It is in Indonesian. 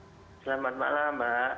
selamat malam mbak